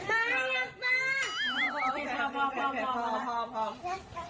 อะโอเคครับพ่อ